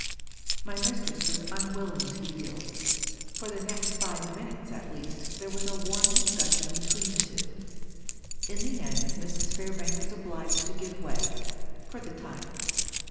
My mistress was unwilling to yield. For the next five minutes, at least, there was a warm discussion between the two. In the end Mrs. Fairbank was obliged to give way — for the time.